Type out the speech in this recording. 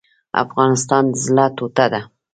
افغانستان د زړه ټوټه ده